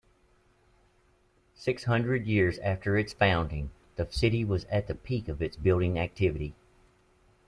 Six hundred years after its founding, the city was at the peak of its building activity.